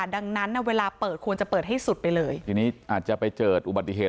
ดังนั้นน่ะเวลาเปิดควรจะเปิดให้สุดไปเลยทีนี้อาจจะไปเจออุบัติเหตุ